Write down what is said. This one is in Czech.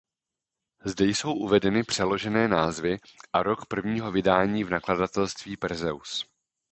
Zde jsou uvedeny přeložené názvy a rok prvního vydání v nakladatelství Perseus.